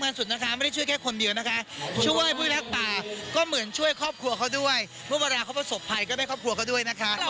เมื่อเค้าคภัณฑ์ทรกภัยก็ได้ขอบครัวเขาด้วยนะคะ